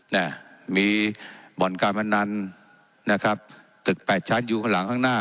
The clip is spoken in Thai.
น่ะมีบ่อนการพนันนะครับตึกแปดชั้นอยู่ข้างหลังข้างหน้า